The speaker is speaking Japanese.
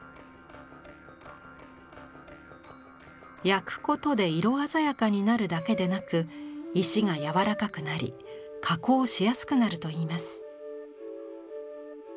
焼くことで色鮮やかになるだけでなく石がやわらかくなり加工しやすくなるといいます。